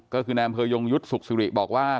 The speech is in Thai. ก็คือแนมเภยงยุทธสุขศรีบอกว่า